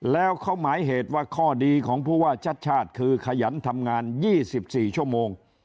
แล้วเขาหมายเหตุว่าข้อดีของผู้ว่าชัดชาติคือขยันทำงาน๒๔ชั่วโมง